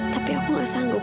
tapi aku gak sanggup